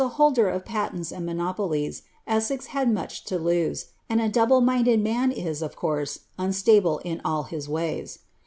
hulder of patenta ami monopolies,' Essex hnd maeli to laae^ nd a duuble minded man is, of course, unstnble in all bis wayv.